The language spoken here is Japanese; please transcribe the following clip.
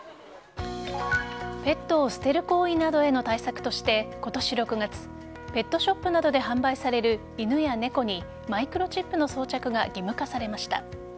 ペットを捨てる行為などへの対策として今年６月ペットショップなどで販売される犬や猫にマイクロチップの装着が義務化されました。